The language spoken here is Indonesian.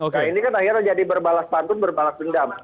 nah ini kan akhirnya jadi berbalas pantun berbalas dendam